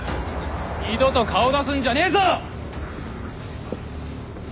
二度と顔出すんじゃねえぞ！